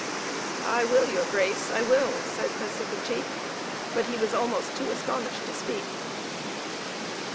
"I will, your grace, I will," said Pacifici. But he was almost too astonished to speak.